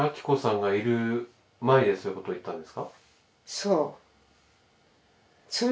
そう。